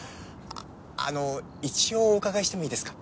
あの一応お伺いしてもいいですか？